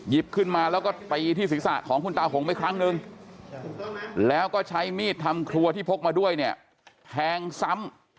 ขึ้นมาแล้วก็ตีที่ศีรษะของคุณตาหงไปครั้งนึงแล้วก็ใช้มีดทำครัวที่พกมาด้วยเนี่ยแทงซ้ำ